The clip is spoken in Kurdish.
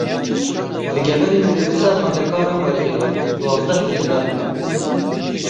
Li Geverê mînîbusa xwendekaran wergeriya, duwazdeh birîndar hene.